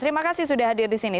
terima kasih sudah hadir di sini